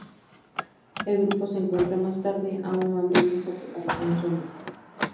El grupo se encuentra más tarde a un hombre viejo que parecía un zombi.